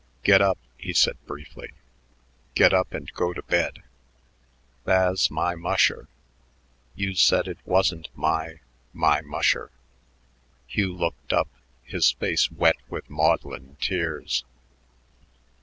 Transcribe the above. "Get up," he said briefly. "Get up and go to bed." "Tha's my musher. You said it wasn't my my musher." Hugh looked up, his face wet with maudlin tears.